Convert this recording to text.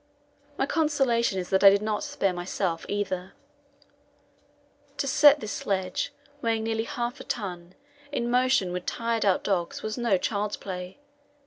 My consolation is that I did not spare myself either. To set this sledge, weighing nearly half a ton, in motion with tired out dogs was no child's play.